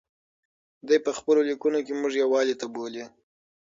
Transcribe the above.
دی په خپلو لیکنو کې موږ یووالي ته بولي.